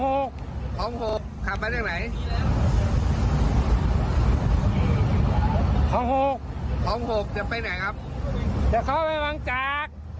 ห้องหกห้องหกจะไปไหนครับจะเข้าไปหวังจาก